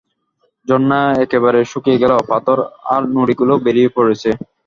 ঝর্না একেবারে শুকিয়ে গেল, পাথর আর নুড়িগুলো বেরিয়ে পড়েছে।